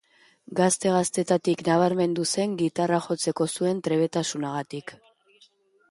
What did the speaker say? Gazte-gaztetatik nabarmendu zen gitarra jotzeko zuen trebetasunagatik.